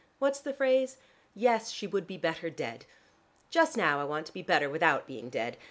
What's the phrase? 'Yes, she would be better dead.' Just now I want to be better without being dead.